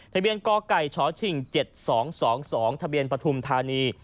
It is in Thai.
ทะเบียนกไก่ชชิง๗๒๒๒ทะเบียนปฐุมธานี